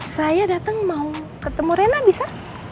saya dateng mau ketemu reina bisa